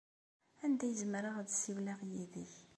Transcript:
Anda ay zemreɣ ad ssiwleɣ yid-k?